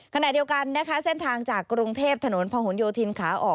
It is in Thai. ขณะเดียวกันนะคะเส้นทางจากกรุงเทพถนนพะหนโยธินขาออก